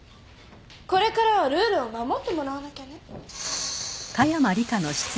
これからはルールを守ってもらわなきゃね。